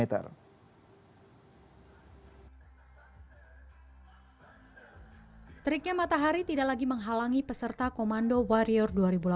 teriknya matahari tidak lagi menghalangi peserta komando warrior dua ribu delapan belas